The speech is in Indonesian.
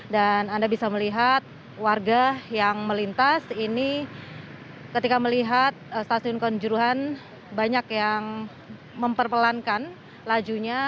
dan anda bisa melihat warga yang melintas ini ketika melihat stadion kanjuruhan banyak yang memperpelankan lajunya